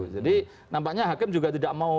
jadi nampaknya hakim juga tidak mau